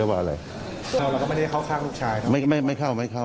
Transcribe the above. เอาแล้วก็ไม่ได้คาวลูกชาย